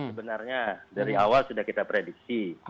sebenarnya dari awal sudah kita prediksi